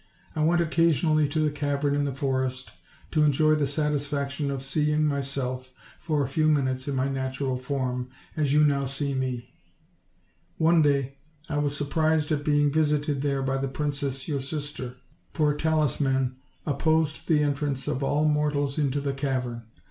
I went occasionally to the cavern in the forest, to enjoy the satisfaction of seeing myself, for a few minutes, in my natural form, as you now see me. One day, I was surprised at being visited there by the princess your sis ter; for a talisman opposed the entrance of all mortals into the cavern.